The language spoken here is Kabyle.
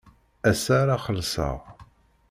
Ass-a ara xellṣeɣ.